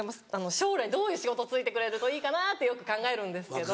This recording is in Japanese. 将来どういう仕事就いてくれるといいかなってよく考えるんですけど。